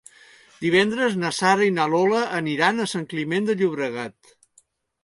Divendres na Sara i na Lola aniran a Sant Climent de Llobregat.